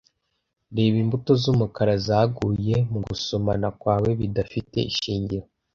reba imbuto z'umukara zaguye mu gusomana kwawe bidafite ishingiro